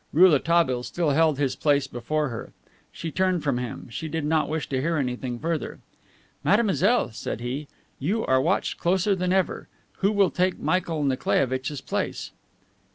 Rouletabille still held his place before her. She turned from him; she did not wish to hear anything further. "Mademoiselle," said he, "you are watched closer than ever. Who will take Michael Nikolaievitch's place?"